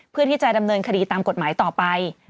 เพื่อที่จะดำเนินคดีตามกฎหมายต่อไป